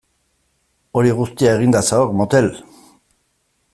Hori guztia eginda zagok motel!